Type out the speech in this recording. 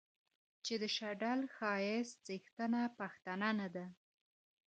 چې د شډل ښايست څښتنه پښتنه نه ده